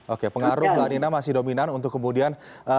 oke pengaruh lanina masih dominan untuk kemudian